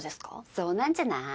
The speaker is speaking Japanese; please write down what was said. そうなんじゃない？